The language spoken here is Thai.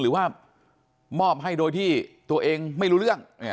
หรือว่ามอบให้โดยที่ตัวเองไม่รู้เรื่อง